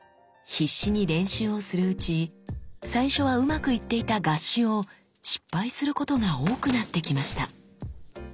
必死に練習をするうち最初はうまくいっていた合撃を失敗することが多くなってきました。